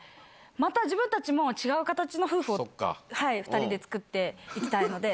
また自分たちも違う形の夫婦を２人で作っていきたいので。